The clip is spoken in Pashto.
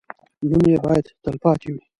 نوم یې باید تل پاتې وي.